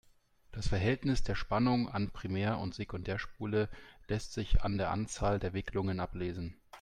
Das Verhältnis der Spannung an Primär- und Sekundärspule lässt sich an der Anzahl der Wicklungen ablesen.